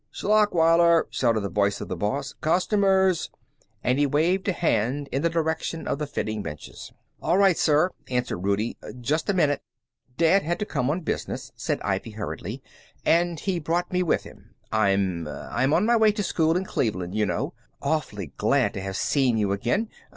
"Schlachweiler!" shouted the voice of the boss. "Customers!" and he waved a hand in the direction of the fitting benches. "All right, sir," answered Rudie. "Just a minute." "Dad had to come on business," said Ivy, hurriedly. "And he brought me with him. I'm I'm on my way to school in Cleveland, you know. Awfully glad to have seen you again.